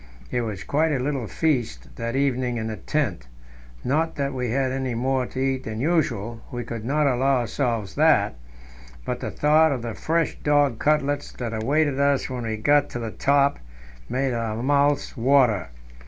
It was quite a little feast that evening in the tent; not that we had any more to eat than usual we could not allow ourselves that but the thought of the fresh dog cutlets that awaited us when we got to the top made our mouths water.